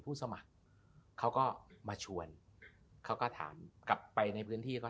สมัครเขาก็มาชวนเขาก็ถามกลับไปในพื้นที่ก็